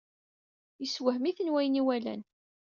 Yessewhem-iten wayen i walan.